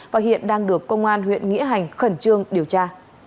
và hiện đang được công an huyện nghĩa hành khẩn trương điều tra